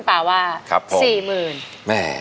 โปรดติดตามต่อไป